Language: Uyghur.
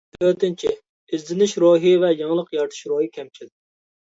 تۆتىنچى، ئىزدىنىش روھى ۋە يېڭىلىق يارىتىش روھى كەمچىل.